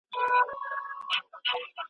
درڅخه ځمه خوږو دوستانو .